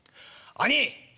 兄ぃ！